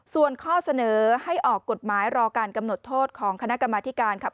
ส่วนข้อเสนอให้ออกกฎหมายรอการกำหนดโทษของคณะกรรมธิการครับ